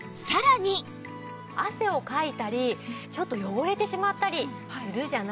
汗をかいたりちょっと汚れてしまったりするじゃないですか。